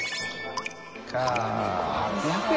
８００円？